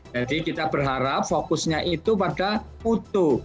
jadi kita berharap fokusnya itu pada mutu